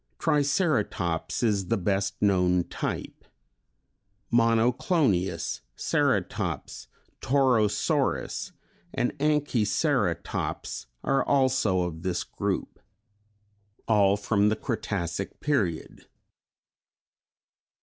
Triceratops is the best known type. Monoclonius, Ceratops, Torosaurus and Anchiceratops are also of this group. All from the Cretacic period.